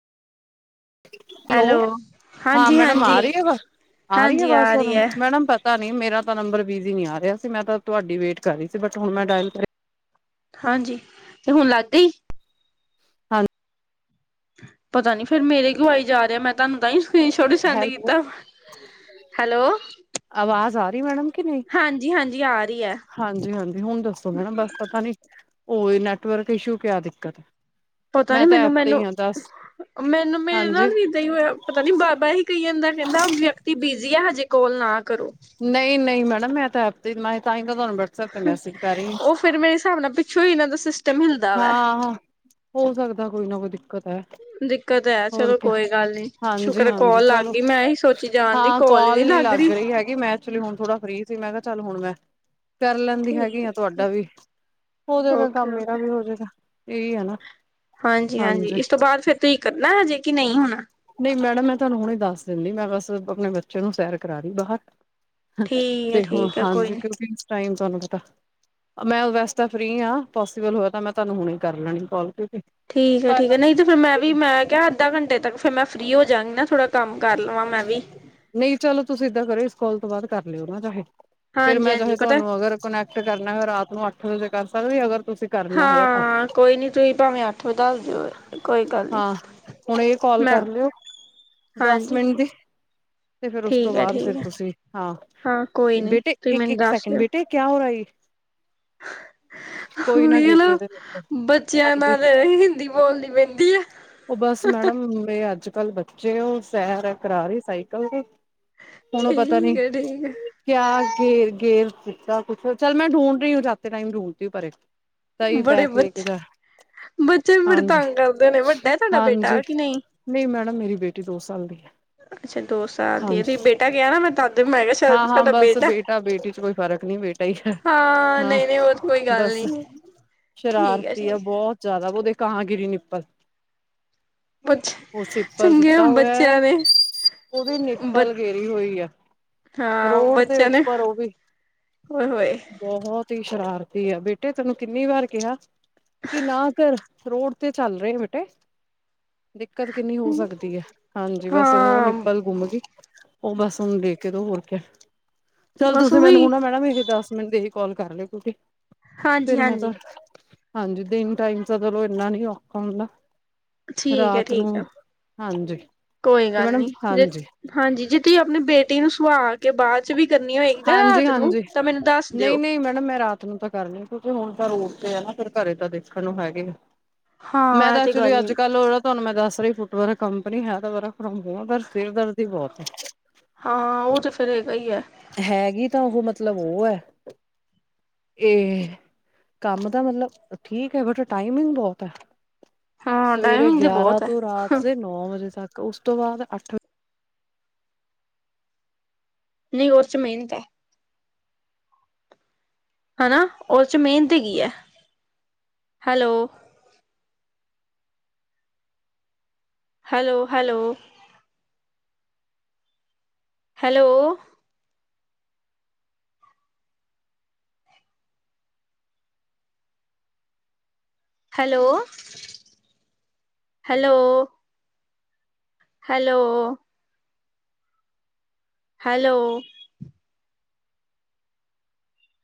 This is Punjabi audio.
ਹੈਲੋ ਹਾਂ ਮੈਡਮ ਹਾਂਜੀ-ਹਾਂਜੀ, ਆ ਰਹੀ ਆ ਹਾਂਜੀ ਵ ਆ ਰਹੀ ਹਾਂਜੀ ਆਵਾਜ਼ ਰਹੀ ਤੁਹਾਨੂੰ ਹੈ ਮੈਡਮ ਪਤਾ ਨਹੀਂ ਮੇਰਾ ਤਾਂ ਨੰਬਰ ਬਿਜੀ ਨਹੀਂ ਆ ਰਿਹਾ ਸੀ ਮੈਂ ਤਾਂ ਤੁਹਾਡੀ ਵੇਟ ਕਰ ਰਹੀ ਸੀ ਬਟ ਹੁਣ ਮੈਂ ਡਾਇਲ ਹਾਂਜੀ ਤੇ ਹੁਣ [unintelligible] ਹਾਂ। ਪਤਾ ਨੀ ਫੇਰ ਮੇਰੇ ਕਿਉਂ ਆਈ ਜਾ ਰਿਹਾ ਮੈਂ ਤੁਹਾਨੂੰ ਤਾਂ ਹੀ। ਤੁਸੀਂ ਛੋਟ ਸੈਂਡ ਹੈਲੋ ਕੀਤਾ ਹਾਜੀ, ਆਵਾਜ਼ ਆ ਰਹੀ ਮੈਡਮ ਕਿ ਨਹੀਂ ਹਾਂਜੀ ਆ। ਰਹੀ ਹੈ ਹਾਂਜੀ, ਹਾਂਜੀ ।ਹੁਣ ਦੱਸੋ ਮੈ ਨਾ ਬਸ ਪਤਾ ਨੀ ਹੋਹੀ ਨੈਟਵਰਕ ਇਸ਼ੂ ਕਿਆ ਦਿੱਕਤ ਪਤਾ ਮੈਂ ਨੀ ਤਾਂ ਮੈਨੂੰ, ਐਪ ਤੇ ਹੀ ਮੈਨੂੰ ਹਾਂ ਦੱਸ ਮੈਨੂੰ ਮੇਰੇ ਹਾਂਜੀ ਨਾਲ ਇਦਾਂ ਹੀ ਹੋਇਆ ਪਤਾ ਨੀ ਬਾਬਾ ਹੀ ਕਈਆਂ ਦਾ ਕਹਿੰਦਾ ਵਿਅਕਤੀ ਬਿਜੀੀ ਆ ਹਜੇ ਕੋਲ ਨਾ ਕਰੋ ਨਹੀਂ, ਨਹੀਂ ਮੈਡ ਮੈਂ ਤਾਂ ਮੈਂ ਤਾਂ ਤਾਂ ਤੁਹਾਨੂੰ ਵਟਸਐਪ ਤੇ ਮੈਸੇਜ ਕਰ ਉਹ ਫੇਰ ਮੇਰੇ ਹਿਸਾਬ ਨਾਲ, [unintelligible] ਵਾ ਹਾਂ-ਹਾਂ ਹੋ ਸਕਦਾ ਕੋਈ ਨਾ ਕੋਈ ਦਿੱਕਤ ਹੈ ਦਿੱਕਤ ਹੈ ਹੋਰ ਚਲੋ ਕੋਈ ਗੱਲ ਨੀ ਸ਼ੁਕਰ ਹਾਂਜੀ-ਹਾਂਜੀ ਕੋਲ ਲੱਗ ਚਲੋ ਗਈ ਮੈਂ ਇਹੀ ਸੋਚੀ ਜਾਣ ਦੀ ਹਾਂ ਕੋਲ ਹੀ ਕਾਲ ਨੀ ਲੱਗ ਰਹੀ ਹੈਗੀ ਮੈਂ ਐਕਚਲੀ ਹੁਣ ਥੋੜਾ ਫ੍ਰਰੀ ਸੀ ਮੈਂ ਕਿਹਾ ਚੱਲ ਹੁਣ ਮੈਂ, ਕਰ ਲੈਂਦੀ ਹੈਗੀ ਆ ਠੀਕ ਤੁਹਾਡਾ ਵੀ ਹੋ ਜੇਗਾ ਓਕੇ ਕੰਮ, ਇਹੀ ਹੈ ਨਾ, ਹਾਂਜੀ-ਹਾਂਜੀ ਹਾਂਜੀ ਇਸ ਤੋਂ ਬਾਅਦ ਫੇਰ ਤੁਸੀਂ ਕਰਨਾ ਹਜੇ, ਕਿ ਨਹੀਂ ਹੂਣ ਨਹੀਂ ਮੈਡਮ ਮੈਂ ਤੁਹਾਨੂੰ ਹੁਣੇ ਦੱਸ ਦਿੰਦੀ ਮੈਂ ਬਸ ਆਪਣੇ ਬੱਚੇ ਨੂੰ ਸੈਰ ਕਰਾ ਰਹੀ ਬਾਹਰ ਠੀਕ ਹੈ ਤੇ ਹੁਣ ਠੀਕ ਹੈ ਕੋਈ ਹਾਂਜੀ ਨੀ ਕਦੀ ਟਾਈਮ, ਤੁਹਾਨੂੰ ਪਤਾ ਮੈਂ ਵੈਸ ਤਾਂ ਫਰੀ ਹਾਂ ਪੋਸੀਬਲ ਹੋਇਆ ਤਾਂ ਮੈਂ ਤੁਹਾਨੂੰ ਹੁਣੇ ਕਰ ਲੈਣੀ ਕੋਲ, ਠੀਕ ਹੈ ਠੀਕ ਹੈ ਨਹੀਂ ਤੇ ਫੇਰ ਮੈਂ ਵੀ ਮੈਂ ਕਿਹਾ ਅੱਧਾ ਘੰਟੇ, ਤਾਂ, ਫਿਰ ਮੈਂ ਫ੍ਰੀ ਹੋ ਜਾਂਗੀ ਨਾ। ਥੋੜਾ ਕੰਮ ਕਰ ਲਵਾਂ ਮੈਂ ਵੀ ਨਹੀਂ ਚਲੋ, ਤੁਸੀਂ ਏਦਾਂ ਕਰੋ ਇਸ ਕੋਲ ਤੋਂ ਬਾਅਦ ਕਰ ਲਿਓ ਨਾ ਚਾਹੇ, ਫੇਰ ਹਾਂਜੀ ਮੈਂ ਹਾਂਜੀ ਚਾਹੇ ਪਤਾ ਤੁਹਾਨੂੰ ਅਗਰ ਕੁਨੈਕਟ ਕਰਨਾ ਹੋ ਰਾਤ ਨੂੰ ਅੱਠ ਵਜੇ, ਕਰ ਸਕਦੇ ਅਗਰ, ਤੁਸੀਂ ਕਰਨਾ ਹੋਇਆ ਤਾਂ ਹਾਂ। ਕੋਈ ਨੀ ਤੁਸੀਂ ਭਾਵੇਂ ਅੱਠੋ-ਦੱਸ ਹਾਂ ਹੁਣ ਕਾਲ ਮੈਂ ਕਰ ਲਿਓ ਦਸ ਹਾਂਜੀ ਮਿੰਟ ਦੀ, ਤੇ ਫੇਰ ਉਸ ਤੋਂ ਠੀਕ ਹੈ ਬਾਅਦ ਠੀਕ ਫਿਰ ਹੈ ਤੁਸੀਂ ਹਾਂ ਹਾਂ ਕੋਈ ਨੀ ਬੇਟੇ ਤੁਸੀਂ ਇੱਕ-ਇੱਕ ਸੈਕਿੰਡ ਬੇਟੇ ਕਿਆ ਹੋ ਕੋਈ ਨਾ ਹੁਣ ਗਿਰਨੇ ਦੇ ਉੱਪਰ। ਬੱਚਿਆਂ ਹਾਂਜੀ ਨਾਲ ਹਿੰਦੀ, ਬੋਲਨੀ ਪੈਂਦੀ ਆ। ਉਹ ਬਸ ਮੈਡਮ ਮੇਰੇ ਅੱਜ ਕੱਲ੍ਹ ਬੱਚੇ ਉਹ ਸੈਰ ਕਰਾ ਰਹੀ ਸਾਈਕਲ, ਹੁਣ ਪਤਾ ਵੀ ਠੀਕ ਹੈ ਠੀਕ ਹੈ ਕਿਆ, ਗੇਰ-ਗੇਰ ਕੁਛ ਚੱਲ ਮੈਂ ਡੂੰਡ ਰਹੀ ਹੂੰ ਜਾਤੇ ਟਾਈਮ ਡੂੰਡ ਤੀ ਹੂੰ, ਸਹੀ ਬੜੇ ਬੈਗ ਲੈ ਕੇ ਬੱਚੇ ਜਾ ਬੱਚੇ, ਬੜ ਹਾਂਜੀ ਤੰਗ ਕਰਦੇ ਨੇ ਵੱਡਾ ਸੋਡਾ ਬੇਟਾ ਕਿ ਨਹੀਂ, ਮ ਮੇਰੀ ਬੇਟੀ ਦੋ ਸਾਲ ਦੀ ਹੈ। ਅੱਛਾ ਦੋ ਸਾਲ ਦੀ ਹਾਂਜੀ ਤੁਸੀਂ ਬੇਟਾ ਕਿਹਾ ਨਾ ਮੈਂ ਤਦ ਮੈਂ ਕਿਹਾ ਹਾਂ-ਹਾਂ ਤੁਹਾਡਾ ਬਸ ਬੇਟਾ ਬੇਟੀ ਚ ਕੋਈ ਫ਼ਰਕ ਨਹੀਂ ਬੇਟਾ ਹੀ ਹੈ ਹਾਂ ਨਹੀਂ ਨਹੀਂ ਉਹ ਤੇ ਕੋਈ ਗੱਲ ਬਸ ਨੀ ਠੀਕ ਹੈ ਸ਼ਰਾਰਤੀ ਜੀ। ਆ ਗਰੀ ਨਿੱਪਲ, ਬੱਚੇ ਉਹ ਚੰਗੇ ਸੁੱਤਾ ਹੋਇਆ ਬੱਚਿਆਂ ਨੇ ਉਹਦੀ ਬ ਨਿੱਪਲ ਗੇਰੀ ਹੋਈ ਆ। ਹਾਂ ਰੋਡ ਦੇ ਬੱਚਿਆਂ ਨੇ ਉੱਪਰ ਉਹ ਵੀ ਓਏ ਹੋਏ ਬਹੁਤ ਹੀ ਸ਼ਰਾਰਤ, ਤੇ ਆ ਬੇਟੇ ਤੈਨੂੰ ਕਿੰਨੀ ਵਾਰ ਕਿਹਾ ਕਿ ਨਾ ਘਰ ਰੋਡ ਤੇ ਚੱਲ ਰਹੇ ਬੇਟੇ ਦਿੱਕਤ ਕਿੰਨੀ ਹੋ ਸਕਦੀ ਹੈ ਹਾਂਜੀ ਬਸ ਹੁਣ ਉਹ ਹਾਂ ਨਿਪਲ ਗੁੰਮ ਗਈ ਉਹ ਬਸ ਹਣ ਦੇਖ ਕੇ ਤ ਹੋਰ ਕ ਚੱਲ ਬਸ ਤੁਸੀਂ ਮੈਨੂੰ ਉਹੀ ਹੁਣਾ ਮੈਡਮ ਇਹ ਦਸ ਮਿੰਟ ਦੇਖ ਕਾਲ ਕਰ ਲ ਕੁ ਹਾਂਜੀ-ਹਾਂਜੀ ਹਾਂਜੀ ਦਿਨ ਟਾਈਮ ਚਲੋ ਇਨਾ ਨੀ ਔਖਾ ਹੁੰਦਾ ਠੀਕ ਰਾਤ ਹੈ-ਠੀਕ ਨੂੰ ਹੈ ਹਾਂਜੀ ਤੇ ਕੋਈ ਗੱਲ ਮੈਡਮ ਨੀ ਜੇ ਹਾਂਜੀ ਹਾਂਜੀ ਜੇ ਤੁਸੀਂ ਆਪਣੇ ਬੇਟੇ ਤਿੰਨ ਸੁ ਆਟ ਕਿ ਬਾਅਦ ਚ ਵੀ ਕਰਨੀ ਹੋਏਗੀ ਨਾ ਹਾਂਜੀ ਰਾਤ ਨੂੰ ਹਾਂਜੀ ਤਾਂ ਮੈਨੂੰ ਦੱਸ ਨਹੀਂ ਦਿਓ ਨਹੀਂ ਮੈਡਮ ਮੈਂ ਰਾਤ ਨੂੰ ਤਾਂ ਕਰਨੀ ਕਿਉਂਕਿ ਹੁਣ ਤਾਂ ਰੋਡ ਤੇ ਆ ਨਾ ਫਿਰ ਘਰੇ ਤਾਂ ਦੇਖਣ ਨੂੰ ਹੈਗੇ ਆ ਮੈਂ ਹਾਂ ਇਹ ਤਾਂ ਤੇ ਚਲੀ ਗੱਲ ਅੱਜ ਹੈਗੀ ਕੱਲ ਹੋ ਤੁਹਾਨੂੰ ਮੈਂ ਦੱਸ ਫੁੱਟ ਕੰਪਨੀ ਹੈ ਤਾਂ ਸਿਰ ਦਰਦੀ ਬਹੁਤ ਹੈ ਹਾਂ [inaudible] ਹੈਗੀ ਤਾਂ ਉਹ ਮਤਲਬ ਉਹ ਹੈ ਇਹ ਕੰਮ ਦਾ ਮਤਲਬ ਠੀਕ ਹੈ ਬਟ ਟਾਈਮਿੰਗ ਬਹੁਤ ਹੈ ਹਾਂ ਸਵੇਰੇ ਟਾਈਮਿੰਗ ਦੀ ਗਿਆਰਾਂ ਬਹੁਤ ਹੈ ਤੋਂ ਰਾਤ ਦੇ ਨੌ ਵਜੇ ਤੱਕ ਉਸ ਤੋਂ ਬਾਅਦ ਅੱਠਵੀਂ ਨਹੀਂ ਉਸ ਚ ਮਿਹਨਤ ਹੈ ਹੈਾ ਉਸ ਚ ਮਿਹਨਤ ਕੀ ਹੈ hello hello hello hello hello hello hello hello